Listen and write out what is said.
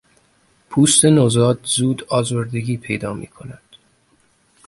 پوست نوزاد زود آزردگی پیدا میکند.